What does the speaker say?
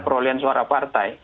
perolehan suara partai